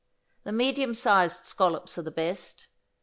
The medium sized scallops are the best.